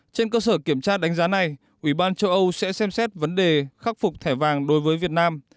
trên cơ sở kiểm tra đánh giá này ủy ban châu âu sẽ xem xét vấn đề khắc phục thẻ vàng đối với việt nam